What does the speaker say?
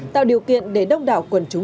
tạo điều kiện để đông đảo quần chủng